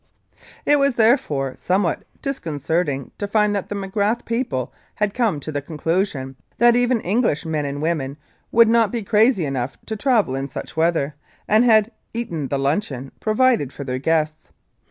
It was, therefore, somewhat disconcerting to find that the Magrath people had come to the conclusion that even English men and women would not be crazy enough to travel in such weather, and had eaten the luncheon provided for their guests.